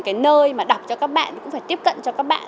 cái nơi mà đọc cho các bạn cũng phải tiếp cận cho các bạn